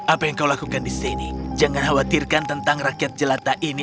apa yang kau lakukan di sini jangan khawatirkan tentang rakyat jelata ini